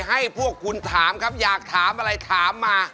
ให้พวกคุณถามครับอยากถามอะไรถามมา